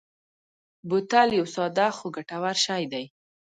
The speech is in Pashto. بوتل یو ساده خو ګټور شی دی.